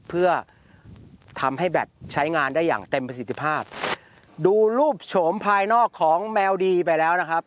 เพื่อทำให้แบตใช้งานได้อย่างเต็มประสิทธิภาพดูรูปโฉมภายนอกของแมวดีไปแล้วนะครับ